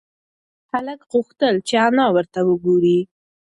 هلک غوښتل چې انا ورته وگوري.